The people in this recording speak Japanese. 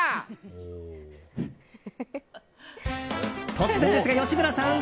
突然ですが、吉村さん